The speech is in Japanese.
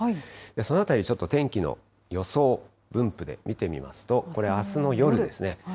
そのあたり、ちょっと天気の予想分布で見てみますと、これあすの夜ですね。